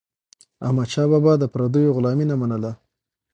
احمدشاه بابا د پردیو غلامي نه منله.